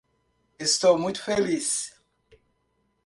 Estou muito feliz